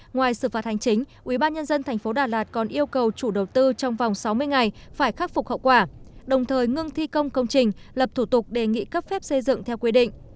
ngoài xử phạt hành chính ubnd tp đà lạt còn yêu cầu chủ đầu tư trong vòng sáu mươi ngày phải khắc phục hậu quả đồng thời ngưng thi công công trình lập thủ tục đề nghị cấp phép xây dựng theo quy định